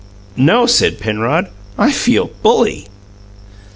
"No," said Penrod; "I feel bully!"